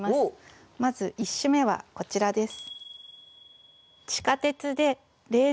まず１首目はこちらです。